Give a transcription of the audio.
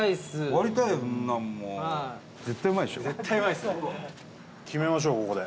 富澤：決めましょう、ここで。